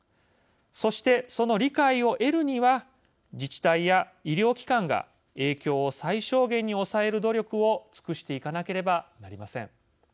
そして、その理解を得るには自治体や医療機関が影響を最小限に抑える努力を尽くしていかなければなりません。